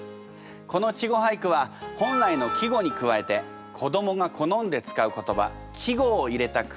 この稚語俳句は本来の季語に加えて子どもが好んで使う言葉稚語を入れた句をいいます。